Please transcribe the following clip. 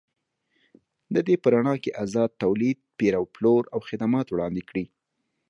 د دې په رڼا کې ازاد تولید، پېر او پلور او خدمات وړاندې کړي.